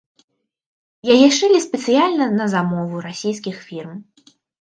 Яе шылі спецыяльна на замову расійскіх фірм.